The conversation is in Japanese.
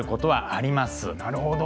なるほど。